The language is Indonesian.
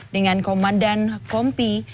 dengan komandan kompi